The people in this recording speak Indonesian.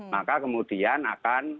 maka kemudian akan